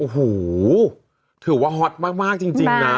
โอ้โหถือว่าฮอตมากจริงนะ